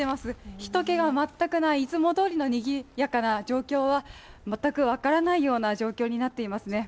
人けが全くない、いつもどおりのにぎやかな状況は全く分からないような状況になっていますね。